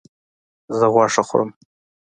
زه غوښه خورم